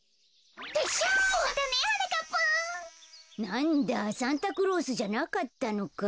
なんだサンタクロースじゃなかったのか。